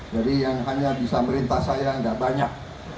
jadi yang hanya bisa merintah saya enggak banyak